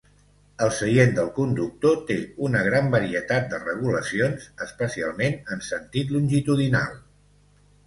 El seient del conductor té una gran varietat de regulacions, especialment en sentit longitudinal.